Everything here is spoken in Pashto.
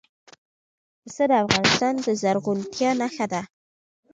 پسه د افغانستان د زرغونتیا نښه ده.